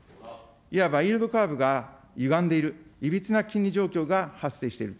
いわばイールドカーブが歪んでいる、いびつな金利状況が発生している。